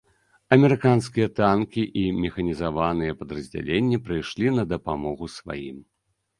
Амерыканскія танкі і механізаваныя падраздзяленні прыйшлі на дапамогу сваім.